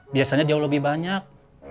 biasanya jauh lebih banyak